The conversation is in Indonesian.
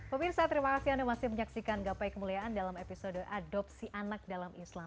pemirsa terima kasih anda masih menyaksikan gapai kemuliaan dalam episode adopsi anak dalam islam